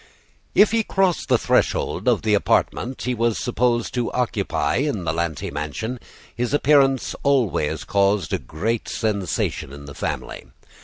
If he crossed the threshold of the apartment he was supposed to occupy in the Lanty mansion, his appearance always caused a great sensation in the family.